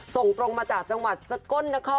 ส่งตรงมาจากจังหวัดสกลนคร